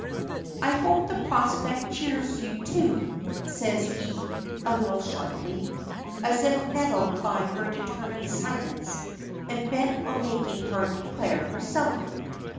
"I hope the prospect cheers you too," says he a little sharply, as if nettled by her determined silence and bent on making her declare herself.